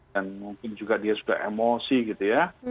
dan mungkin juga dia sudah emosi gitu ya